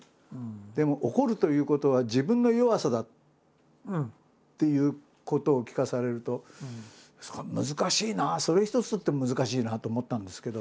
でも怒るということは自分の弱さだっていうことを聞かされるとすごい難しいなそれ一つとっても難しいなと思ったんですけど。